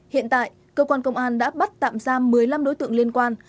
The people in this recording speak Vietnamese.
hiện tại cơ quan công an đã bắt tạm giam một mươi năm đối tượng liên quan